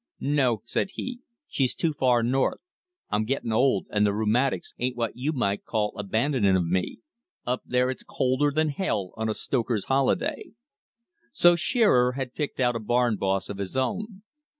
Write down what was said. "No," said he, "she's too far north. I'm gettin' old, and the rheumatics ain't what you might call abandonin' of me. Up there it's colder than hell on a stoker's holiday." So Shearer had picked out a barn boss of his own.